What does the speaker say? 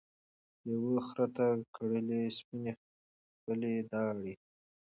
لېوه خره ته کړلې سپیني خپلي داړي